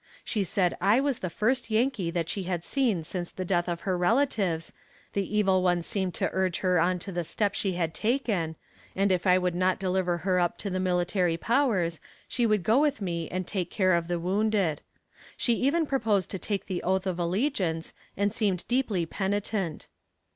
She said I was the first Yankee that she had seen since the death of her relatives, the evil one seemed to urge her on to the step she had taken, and if I would not deliver her up to the military powers, she would go with me and take care of the wounded. She even proposed to take the oath of allegiance, and seemed deeply penitent.